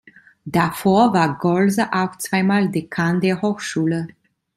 Davor war Golser auch zweimal Dekan der Hochschule.